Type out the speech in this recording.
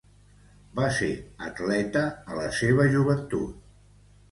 Va ser atleta a la seua joventut.